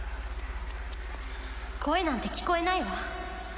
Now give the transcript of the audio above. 声なんて聞こえないわ